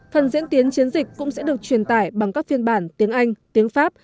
phần diễn tiến chiến dịch cũng sẽ được truyền tải bằng các phiên bản tiếng anh tiếng pháp